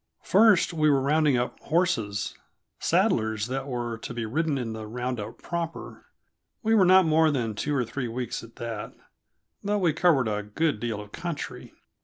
First, we were rounding up horses saddlers that were to be ridden in the round up proper. We were not more than two or three weeks at that, though we covered a good deal of country.